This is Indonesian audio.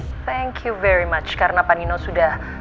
terima kasih banyak banyak karena panino sudah